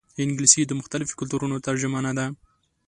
انګلیسي د مختلفو کلتورونو ترجمانه ده